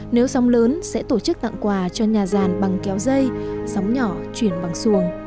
nếu sóng lớn sẽ tổ chức tặng quà cho nhà giàn bằng kéo dây sóng nhỏ chuyển bằng xuồng